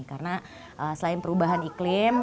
karena selain perubahan iklim